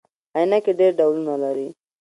عینکي ډیر ډولونه لري